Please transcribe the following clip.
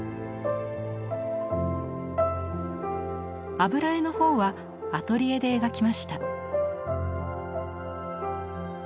油絵の方はアトリエで描きました。